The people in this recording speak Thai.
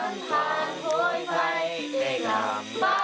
สวัสดีครับ